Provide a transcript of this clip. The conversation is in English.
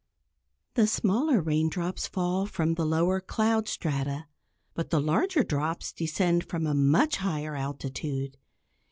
The smaller raindrops fall from the lower cloud strata, but the larger drops descend from a much higher altitude.